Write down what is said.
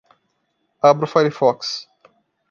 Abra o firefox.